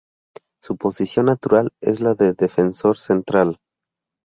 Su posición natural es la de defensor central.